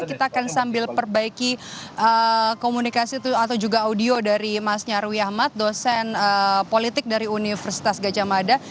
kita akan sambil perbaiki komunikasi atau juga audio dari mas nyarwi ahmad dosen politik dari universitas gajah mada